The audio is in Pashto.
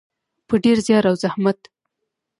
په ډیر زیار او زحمت.